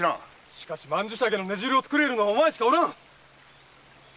しかし曼珠沙華の根汁を作れるのはお前しかおらん！